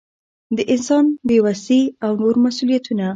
د انسان بې وسي او نور مسؤلیتونه.